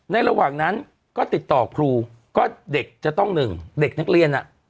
ระหว่างนั้นก็ติดต่อครูก็เด็กจะต้องหนึ่งเด็กนักเรียนอ่ะ